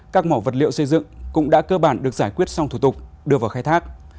các mỏ vật liệu xây dựng cũng đã cơ bản được giải quyết xong thủ tục đưa vào khai thác